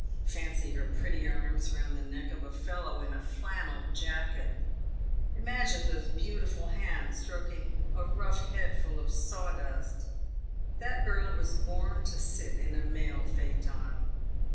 Fancy her pretty arms round the neck of a fellow in a flannel jacket ! Imagine those beautiful hands stroking a rough head full of sawdust ! That girl was born to sit in a mail phaeton."